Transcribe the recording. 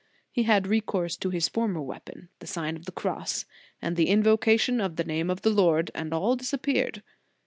He had recourse to his former weapon, the Sign of the Cross, and the in vocation of the name of the Lord, and all disappeared.